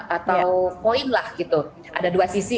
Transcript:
memiliki dua sisi